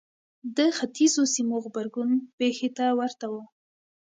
د ختیځو سیمو غبرګون پېښې ته ورته و.